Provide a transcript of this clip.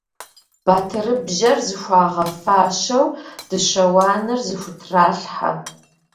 Батырыбжьэр зыхуагъэфащэу, дыщэ уанэр зыхутралъхьэ.